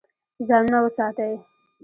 ځانونه وساتئ.